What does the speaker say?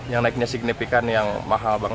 yang naiknya signifikan yang mahal banget